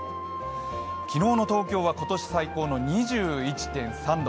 昨日の東京は今年最高の２１．３度。